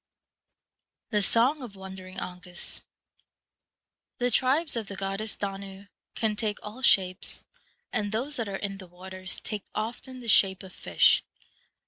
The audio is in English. The Song of Wandering Aengus. The Tribes of the goddess Danu can take all shapes, and those that are in the waters take often the shape of fish.